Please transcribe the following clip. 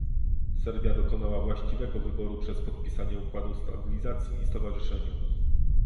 Serbia dokonała właściwego wyboru przez podpisanie układu o stabilizacji i stowarzyszeniu